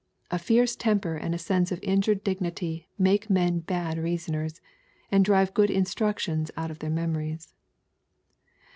A fierce temper and a sense of injured dignity make men bad reasoners, and drive good instruction out of their memories.